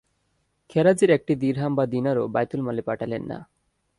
খেরাজের একটি দিরহাম বা দিনারও বাইতুল মালে পাঠালেন না।